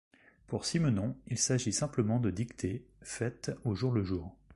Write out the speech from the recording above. Pour Simenon, il s'agit simplement de dictées, faites au jour le jour.